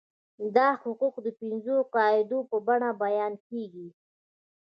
دا حقوق د پنځو قاعدو په بڼه بیان کیږي.